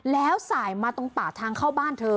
แล้วสายมาตรงป่าทางเข้าบ้านเธอ